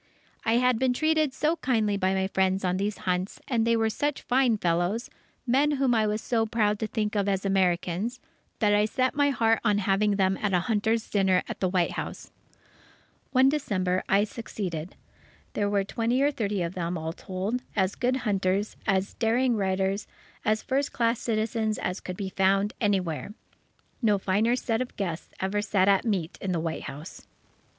I had been treated so kindly by my friends on these hunts, and they were such fine fellows, men whom I was so proud to think of as Americans, that I set my heart on having them at a hunters' dinner at the White House. One December, I succeeded. There were twenty or thirty of them, all told, as good hunters, as daring riders, as first class citizens as could be found anywhere. No finer set of guests ever sat at meat in the White House.